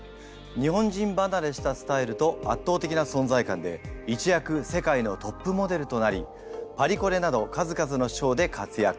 日本人ばなれしたスタイルと圧倒的な存在感で一躍世界のトップモデルとなりパリコレなど数々のショーで活躍。